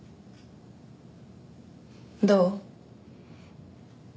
どう？